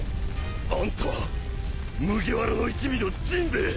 あんたは麦わらの一味のジンベエ。